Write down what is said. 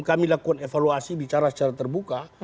kami lakukan evaluasi bicara secara terbuka